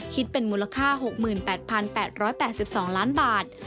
คิดเป็นมูลค่า๖๘๘๒ล้านบาท